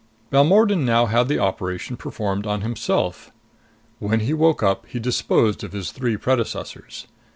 Balmordan now had the operation performed on himself. When he woke up, he disposed of his three predecessors.